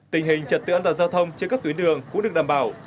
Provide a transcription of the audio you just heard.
tình hình trật tự an toàn giao thông trên các tuyến đường cũng được đảm bảo